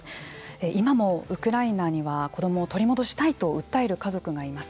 今もウクライナには子どもを取り戻したいと訴える家族がいます。